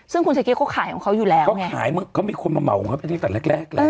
ซึ่งคุณสกี้เขาขายของเขาอยู่แล้วเขาขายเขามีคนมาเหมาของเขาไปตั้งแต่แรกแรกแล้ว